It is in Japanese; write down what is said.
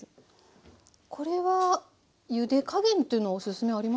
これはゆで加減というのはおすすめありますか？